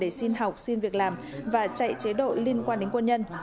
để xin học xin việc làm và chạy chế độ liên quan đến quân nhân